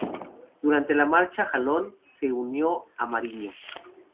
Durante la marcha Jalón se unió a Mariño.